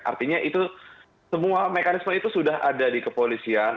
artinya itu semua mekanisme itu sudah ada di kepolisian